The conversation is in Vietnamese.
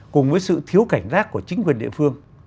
cùng với sự thiếu cảnh giác của chính quyền địa phương